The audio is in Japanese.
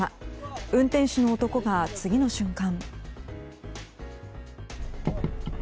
運転手の男が次の瞬間。